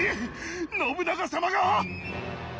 信長様が？